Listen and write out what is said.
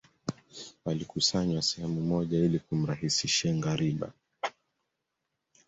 Walikusanywa sehemu moja ili kumrahisishia ngariba